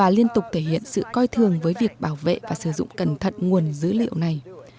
để thể hiện sự coi thường với việc bảo vệ và sử dụng cẩn thận nguồn dữ liệu này